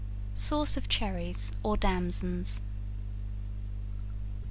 Sauce of Cherries, or Damsons.